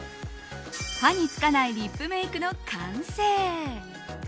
歯につかないリップメイクの完成。